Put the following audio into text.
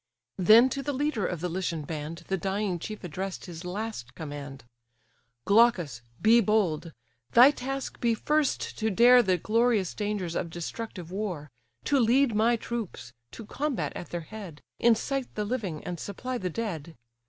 Then to the leader of the Lycian band The dying chief address'd his last command; "Glaucus, be bold; thy task be first to dare The glorious dangers of destructive war, To lead my troops, to combat at their head, Incite the living, and supply the dead.